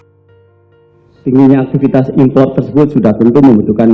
tingginya aktivitas import tersebut sudah tentu membutuhkan